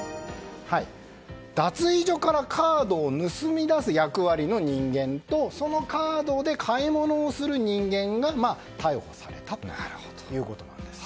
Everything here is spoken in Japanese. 脱衣所からカードを盗み出す役割の人間とそのカードで買い物をする人間が逮捕されたということです。